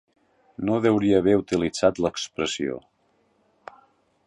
No deuria haver utilitzat l'expressió.